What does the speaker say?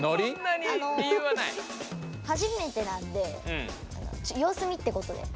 はじめてなんでようす見ってことで。